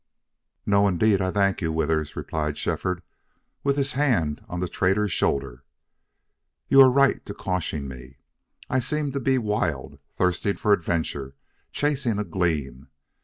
"No indeed. I thank you, Withers," replied Shefford, with his hand on the trader's shoulder. "You are right to caution me. I seem to be wild thirsting for adventure chasing a gleam.